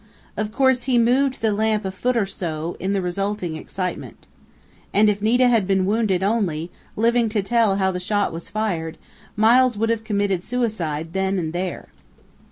Of course he moved the lamp a foot or so, in the resulting excitement. And if Nita had been wounded only, living to tell how the shot was fired, Miles would have committed suicide then and there."